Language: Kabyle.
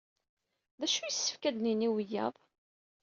D acu yessefk ad nini i wiyaḍ?